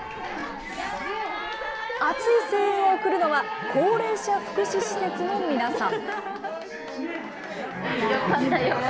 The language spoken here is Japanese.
熱い声援を送るのは、高齢者福祉施設の皆さん。